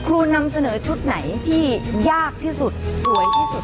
นำเสนอชุดไหนที่ยากที่สุดสวยที่สุด